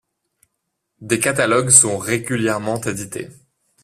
Des catalogues sont régulièrement édités.